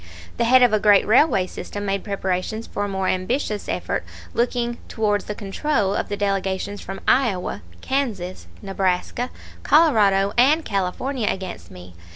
The head of a great railway system made preparations for a more ambitious effort looking towards the control of the delegations from Iowa, Kansas, Nebraska, Colorado, and California against me.